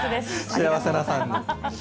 幸せな３人。